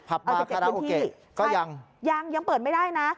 พับบาคาราโอเกะก็ยังยังยังเปิดไม่ได้นะ